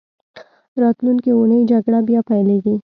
راتلونکې اونۍ جګړه بیا پیلېږي.